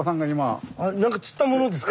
なんか釣ったものですか？